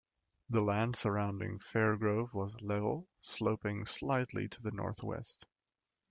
The land surrounding Fairgrove was level, sloping slightly to the northwest.